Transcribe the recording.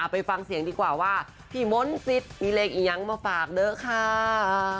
ไปฟังเสียงดีกว่าว่าพี่มนต์สิทธิ์มีเลขอียังมาฝากเด้อค่ะ